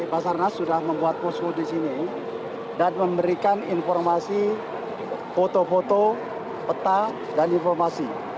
basarnas sudah membuat posko di sini dan memberikan informasi foto foto peta dan informasi